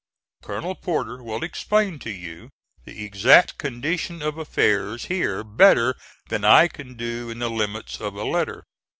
Colonel Porter will explain to you the exact condition of affairs here better than I can do in the limits of a letter.